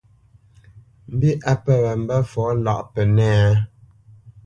Mbî á pə̂ wǎ mbə́ fɔ lâʼ Pənɛ́a a ?